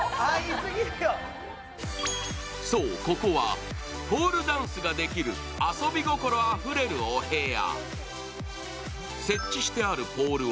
そう、ここはポールダンスができる遊び心あふれるお部屋。